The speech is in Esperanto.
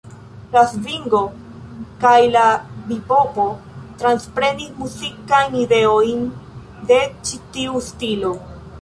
La svingo kaj la bibopo transprenis muzikajn ideojn de ĉi tiu stilo.